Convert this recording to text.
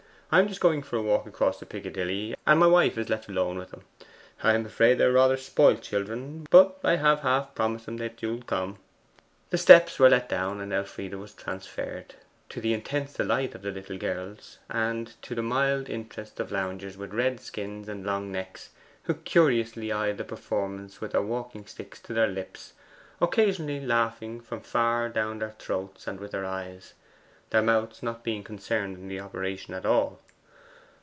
I am just going to walk across into Piccadilly, and my wife is left alone with them. I am afraid they are rather spoilt children; but I have half promised them you shall come.' The steps were let down, and Elfride was transferred to the intense delight of the little girls, and to the mild interest of loungers with red skins and long necks, who cursorily eyed the performance with their walking sticks to their lips, occasionally laughing from far down their throats and with their eyes, their mouths not being concerned in the operation at all.